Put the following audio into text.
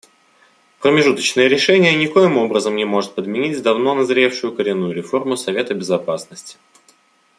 Промежуточное решение никоим образом не может подменить давно назревшую коренную реформу Совета Безопасности.